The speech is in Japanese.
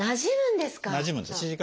なじむんですか。